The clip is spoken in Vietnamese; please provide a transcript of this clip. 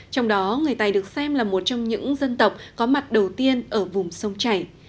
trong đó người tày được xem là một trong những dân tộc có mặt đầu tiên ở vùng sông chảy